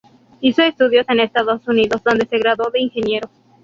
Hizo estudios en Estados Unidos, donde se graduó de ingeniero.